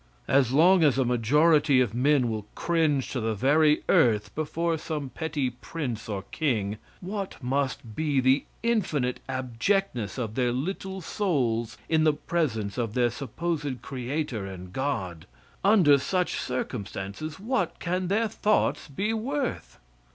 As long as a majority of men will cringe to the very earth before some petty prince or king, what must be the infinite abjectness of their little souls in the presence of their supposed creator and God? Under such circumstances, what can their thoughts be worth?